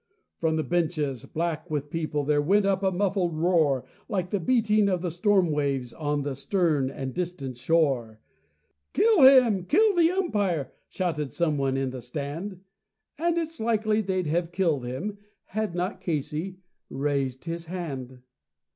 From the benches, black with people, there went up a muffled roar, Like the beating of great storm waves on a stern and distant shore. "Kill him! Kill the umpire!" shouted someone on the stand. And it's likely they'd have killed him had not Casey raised a hand.